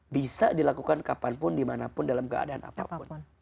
bisa dilakukan kapan pun dimanapun dalam keadaan apapun